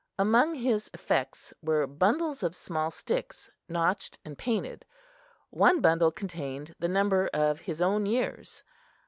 Among his effects were bundles of small sticks, notched and painted. One bundle contained the number of his own years.